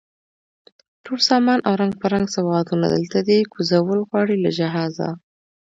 ټول سامان او رنګ په رنګ سوغاتونه، دلته دی کوزول غواړي له جهازه